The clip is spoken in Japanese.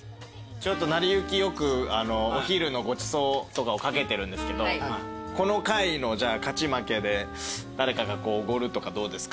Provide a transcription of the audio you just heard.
ちょっと『なりゆき』よくお昼のごちそうとかをかけてるんですけどこの回の勝ち負けで誰かがおごるとかどうですか？